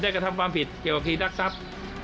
ได้กระทับความผิดเกี่ยวกับคีย์ดักทรัพย์